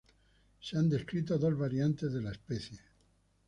Se han descrito dos variantes de la especie.